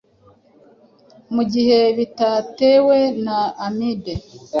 mu gihe bitatewe na amibe